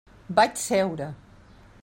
Vaig seure.